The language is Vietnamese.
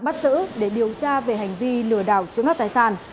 bắt giữ để điều tra về hành vi lừa đảo chiếm đoạt tài sản